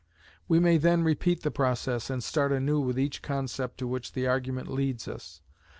We may then repeat the process, and start anew with each concept to which the argument leads us.